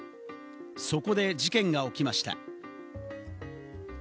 そこで事件が起きました。